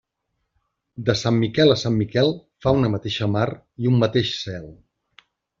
De sant Miquel a sant Miquel fa una mateixa mar i un mateix cel.